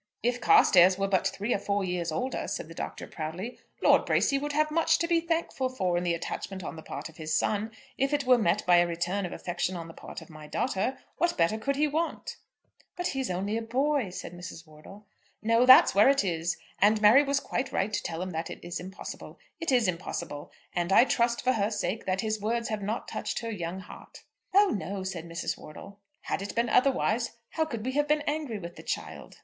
"If Carstairs were but three or four years older," said the Doctor, proudly, "Lord Bracy would have much to be thankful for in the attachment on the part of his son, if it were met by a return of affection on the part of my daughter. What better could he want?" "But he is only a boy," said Mrs. Wortle. "No; that's where it is. And Mary was quite right to tell him that it is impossible. It is impossible. And I trust, for her sake, that his words have not touched her young heart." "Oh, no," said Mrs. Wortle. "Had it been otherwise how could we have been angry with the child?"